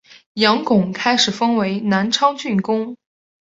杨珙开始封为南昌郡公。